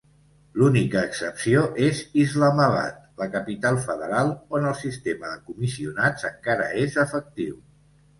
L'única excepció es Islamabad, la capital federal, on el sistema de comissionats encara és efectiu.